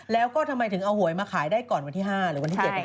แล้วก็ทำไมถึงเอาหวยมาขายได้ก่อนวันที่๕หรือวันที่๗